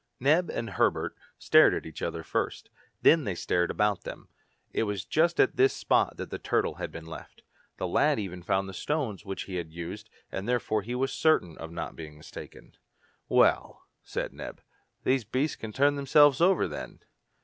Neb and Herbert stared at each other first, then they stared about them. It was just at this spot that the turtle had been left. The lad even found the stones which he had used, and therefore he was certain of not being mistaken. "Well!" said Neb, "these beasts can turn themselves over, then?"